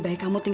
aku mau pergi